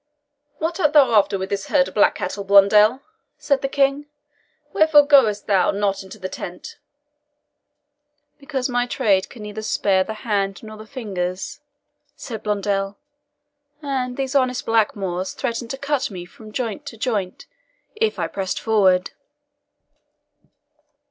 "What art thou after with this herd of black cattle, Blondel?" said the King; "wherefore goest thou not into the tent?" "Because my trade can neither spare the head nor the fingers," said Blondel, "and these honest blackamoors threatened to cut me joint from joint if I pressed forward."